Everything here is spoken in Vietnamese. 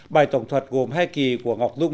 bài tổng thuật gồm hai kỳ của ngọc dung